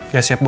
ya siap bu